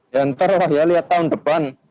nanti lah ya lihat tahun depan